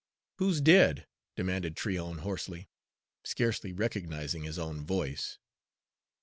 "Who's dead?" demanded Tryon hoarsely, scarcely recognizing his own voice.